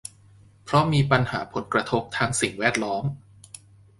เพราะมีปัญหาผลกระทบทางสิ่งแวดล้อม